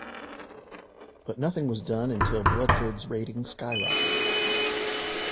But nothing was done until Bloodgood's rating skyrocketed.